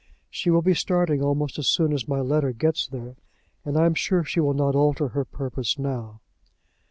She will be starting almost as soon as my letter gets there, and I am sure she will not alter her purpose now."